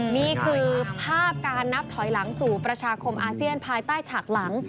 นี่คือภาพการนับถอยหลังสู่ประชาคมอาเซียนภายใต้ฉากหลัง